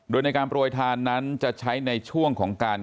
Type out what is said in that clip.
โดยในการโปรยทานนั้นจะใช้ในช่วงของการ